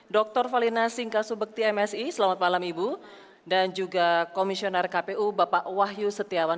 dr valina singkasubekti msi selamat malam ibu dan juga komisioner kpu bapak wahyu setiawan